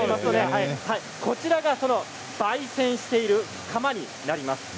こちらがばい煎している釜になります。